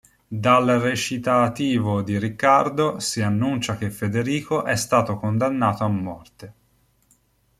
Dal recitativo di Riccardo si annuncia che Federico è stato condannato a morte.